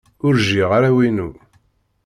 Ur jjiɣ arraw-inu.